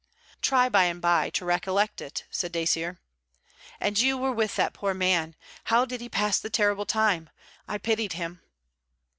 'Try by and by to recollect it,' said Dacier. 'And you were with that poor man! How did he pass the terrible time? I pitied him.'